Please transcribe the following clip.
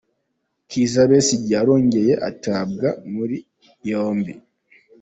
Kizza Besigye yarongeye atabwa muri yombi.